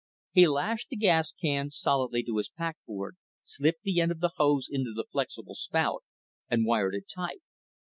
He lashed the gas can solidly to his packboard, slipped the end of the hose into the flexible spout and wired it tight.